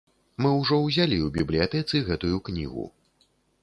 Мы ўжо ўзялі ў бібліятэцы гэтую кнігу.